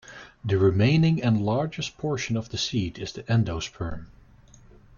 The remaining and largest portion of the seed is the endosperm.